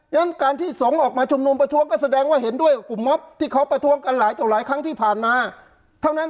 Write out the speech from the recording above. ฉะนั้นการที่สงฆ์ออกมาชุมนุมประท้วงก็แสดงว่าเห็นด้วยกับกลุ่มมอบที่เขาประท้วงกันหลายต่อหลายครั้งที่ผ่านมาเท่านั้น